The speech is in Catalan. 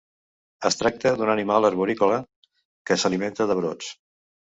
Es tracta d'un animal arborícola que s'alimenta de brots.